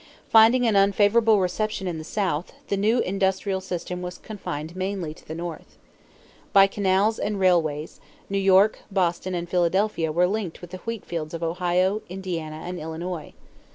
Finding an unfavorable reception in the South, the new industrial system was confined mainly to the North. By canals and railways New York, Boston, and Philadelphia were linked with the wheatfields of Ohio, Indiana, and Illinois.